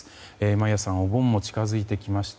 眞家さんお盆も近づいてきました。